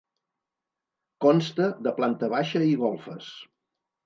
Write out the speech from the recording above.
Consta de planta baixa i golfes.